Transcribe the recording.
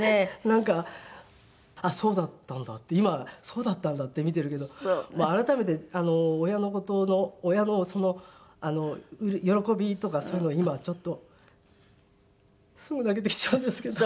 なんかあっそうだったんだって今そうだったんだって見てるけど改めて親の事の親のその喜びとかそういうのを今はちょっとすぐ泣けてきちゃうんですけど。